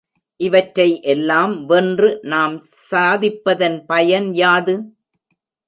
இவற்றை எல்லாம் வென்று நாம் சாதிப்பதன் பயன் யாது?